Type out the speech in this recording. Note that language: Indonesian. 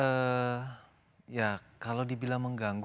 jadi untuk dari segi itunya sendiri sih saya merasa tidak terganggu